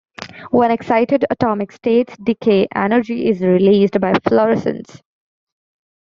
When excited atomic states decay, energy is released by fluorescence.